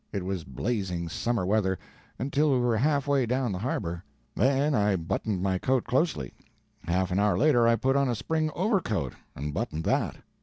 It was blazing summer weather, until we were half way down the harbor. Then I buttoned my coat closely; half an hour later I put on a spring overcoat and buttoned that.